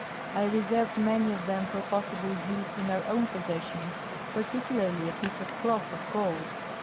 I reserved many of them for possible use in our own possessions, particularly a piece of cloth of gold.